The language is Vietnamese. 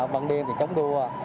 băng điên thì chống đua